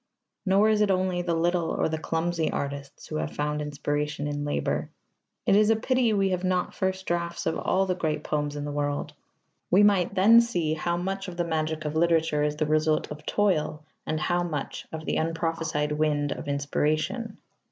Nor is it only the little or the clumsy artists who have found inspiration in labour. It is a pity we have not first drafts of all the great poems in the world: we might then see how much of the magic of literature is the result of toil and how much of the unprophesied wind of inspiration.